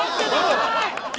おい！！